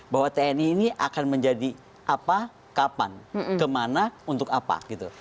bahwa tni ini akan menjadi apa kapan kemana untuk apa gitu